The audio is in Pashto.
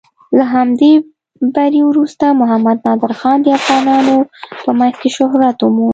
له همدې بري وروسته محمد نادر خان د افغانانو په منځ کې شهرت وموند.